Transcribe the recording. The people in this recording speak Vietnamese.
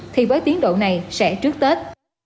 thì với tiến độ này sẽ trước tết